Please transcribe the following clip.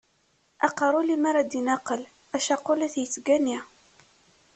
Aqerru limer ad d-inaqel, acaqur la t-yettgani.